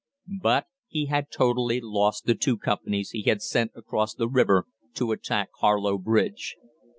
But he had totally lost the two companies he had sent across the river to attack Harlow Bridge.